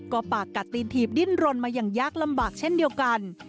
ก็ปากกัดตีนถีบดิ้นรนมาอย่างยากลำบากเช่นเดียวกัน